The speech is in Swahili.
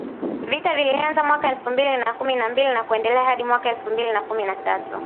Vita vilianza mwaka elfu mbili na kumi na mbili na kuendelea hadi mwaka wa elfu mbili kumi na tatu.